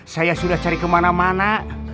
saya sudah cari kemana mana